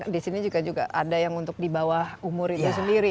di sini juga ada yang untuk di bawah umur itu sendiri